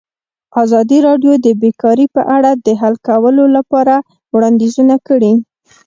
ازادي راډیو د بیکاري په اړه د حل کولو لپاره وړاندیزونه کړي.